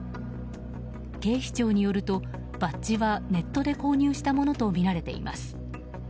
警視庁によるとバッジはネットで購入したものとみられています。